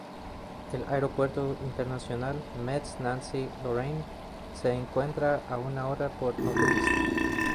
El aeropuerto internacional "Metz-Nancy-Lorraine" se encuentra a una hora por autopista.